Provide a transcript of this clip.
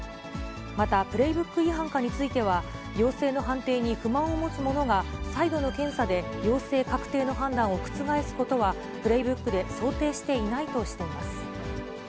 またプレイブック違反かについては、陽性の判定に不満を持つ者が、再度の検査で陽性確定の判断を覆すことは、プレイブックで想定していないとしています。